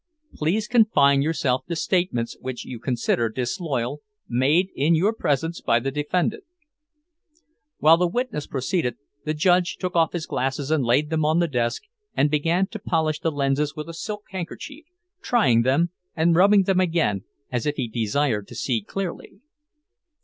"Please confine yourself to statements which you consider disloyal, made in your presence by the defendant." While the witness proceeded, the judge took off his glasses and laid them on the desk and began to polish the lenses with a silk handkerchief, trying them, and rubbing them again, as if he desired to see clearly.